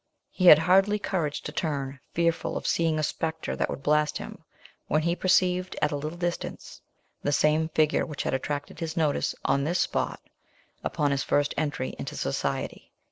He had hardly courage to turn, fearful of seeing a spectre that would blast him, when he perceived, at a little distance, the same figure which had attracted his notice on this spot upon his first entry into society.